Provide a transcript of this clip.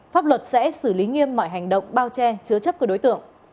pháp luật sẽ xử lý nghiêm mọi hành động bao che chứa chấp cơ đối tượng